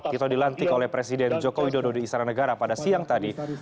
tito dilantik oleh presiden joko widodo di istana negara pada siang tadi